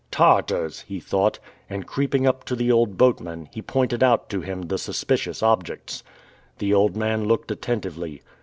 "Tartars!" he thought. And creeping up to the old boatman, he pointed out to him the suspicious objects. The old man looked attentively.